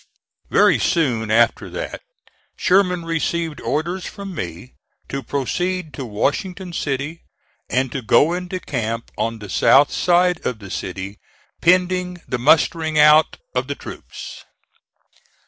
Very soon after that, Sherman received orders from me to proceed to Washington City, and to go into camp on the south side of the city pending the mustering out of the troops.